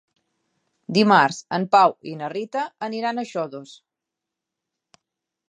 Dimarts en Pau i na Rita aniran a Xodos.